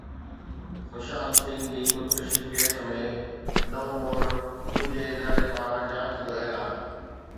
سشانت سنگهه جي خودڪشي ڪيس ۾ نئون موڙ، ڳجهي اداري پاران جاچ جو اعلان